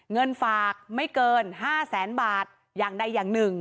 เงินฝากไม่เกิน๕แสนบาทอย่างใดอย่างหนึ่ง